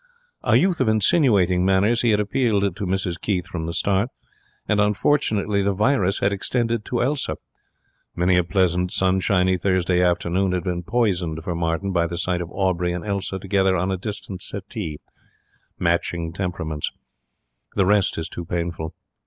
A youth of insinuating manners, he had appealed to Mrs Keith from the start; and unfortunately the virus had extended to Elsa. Many a pleasant, sunshiny Thursday afternoon had been poisoned for Martin by the sight of Aubrey and Elsa together on a distant settee, matching temperaments. The rest is too painful.